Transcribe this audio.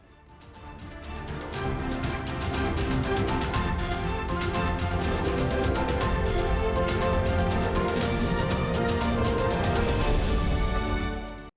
terima kasih banyak